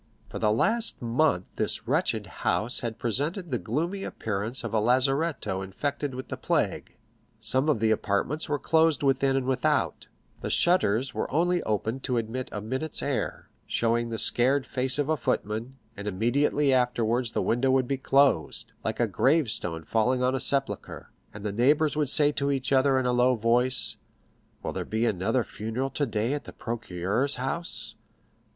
For the last month this wretched house had presented the gloomy appearance of a lazaretto infected with the plague. Some of the apartments were closed within and without; the shutters were only opened to admit a minute's air, showing the scared face of a footman, and immediately afterwards the window would be closed, like a gravestone falling on a sepulchre, and the neighbors would say to each other in a low voice, "Will there be another funeral today at the procureur's house?"